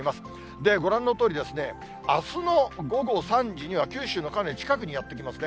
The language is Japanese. で、ご覧のとおり、あすの午後３時には九州のかなり近くにやって来ますね。